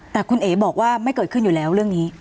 แต่คุณเอ๋บอกว่าไม่เกิดขึ้นอยู่แล้วเรื่องนี้